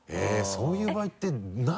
そういう場合って何？